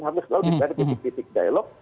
harus selalu ada titik titik dialog